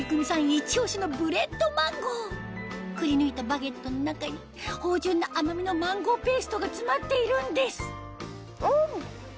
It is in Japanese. イチ押しのくりぬいたバゲットの中に芳醇な甘みのマンゴーペーストが詰まっているんですあっ！